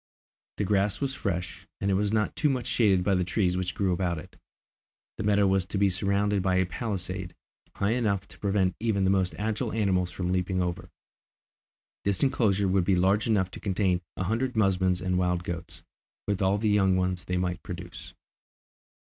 The grass was fresh, and it was not too much shaded by the trees which grew about it. This meadow was to be surrounded by a palisade, high enough to prevent even the most agile animals from leaping over. This enclosure would be large enough to contain a hundred musmons and wild goats, with all the young ones they might produce.